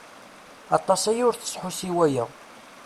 Aṭas aya ur tesḥus i waya.